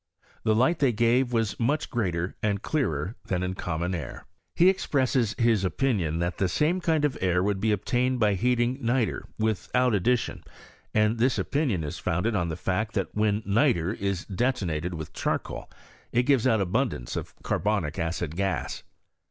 The lig'ht they gave was much greater and clearer than in common air. * He expresses his opinion that the same kind of air would be obtained by heating nitre without ad dition, and this opinion is founded on the fact that when nitre is detonated with charcoal it gives out abundance of carbonic acid gas.